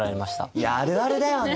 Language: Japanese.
いやあるあるだよね